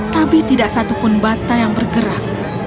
tapi tidak satupun bata yang bergerak